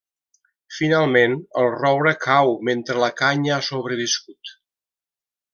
Finalment, el roure cau mentre la canya ha sobreviscut.